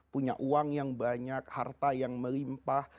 punya uang yang banyak harta yang melimpah